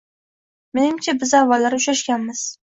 Menimcha, biz avvallari uchrashganmiz.